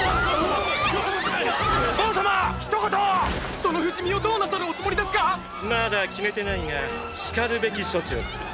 その不死身をどうなさるおつもりですか⁉まだ決めてないが然るべき処置をする。